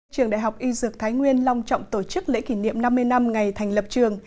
trường đại học y dược thái nguyên long trọng tổ chức lễ kỷ niệm năm mươi năm ngày thành lập trường